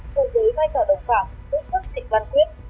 cùng với vai trò đồng phạm giúp sức trịnh văn quyết